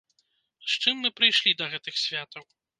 З чым мы прыйшлі да гэтых святаў?